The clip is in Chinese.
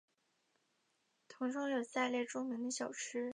腾冲有下列著名的小吃。